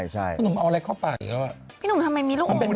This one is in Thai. ใช่คุณหนุ่มเอาอะไรเข้าไปอีกแล้ว